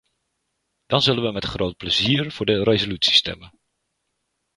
Dan zullen we met groot plezier voor de resolutie stemmen.